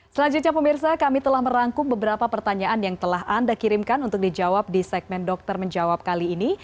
selanjutnya pemirsa kami telah merangkum beberapa pertanyaan yang telah anda kirimkan untuk dijawab di segmen dokter menjawab kali ini